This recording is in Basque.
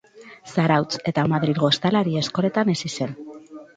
Zarautz eta Madrilgo ostalari eskoletan hezi zen.